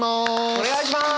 お願いします！